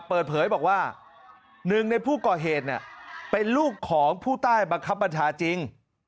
เปิดเผยบอกว่าหนึ่งในผู้ก่อเหตุเป็นลูกของผู้ใต้บังคับบัญชาจริง